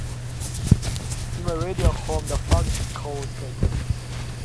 It's my radio home, my flagship, Karel states.